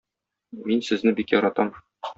Мин сезне бик яратам.